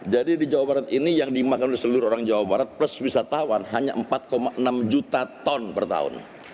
jadi di jawa barat ini yang dimakan oleh seluruh orang jawa barat plus wisatawan hanya empat enam juta ton per tahun